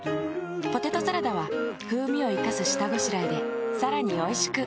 ポテトサラダは風味を活かす下ごしらえでさらに美味しく。